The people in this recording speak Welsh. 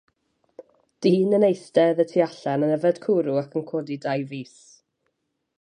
Dyn yn eistedd y tu allan yn yfed cwrw ac yn codi dau fys.